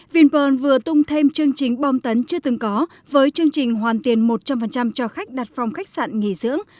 vinpearl vừa tung thêm chương trình bom tấn chưa từng có với chương trình hoàn tiền một trăm linh cho khách đặt phòng khách sạn nghỉ dưỡng